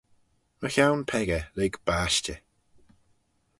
Mychione peccah lurg bashtey.